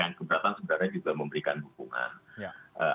yang keberatan sebenarnya juga memberikan dukungan